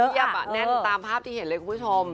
แน่นตามภาพที่เห็นเลยคุณผู้ชม